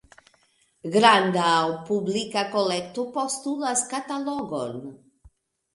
Granda aŭ publika kolekto postulas katalogon.